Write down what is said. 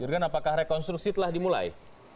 dirgen apakah rekonstruksi telah dimulai